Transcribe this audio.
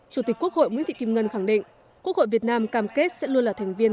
chủ tịch quốc hội nguyễn thị kim ngân khẳng định quốc hội việt nam cam kết sẽ luôn là thành viên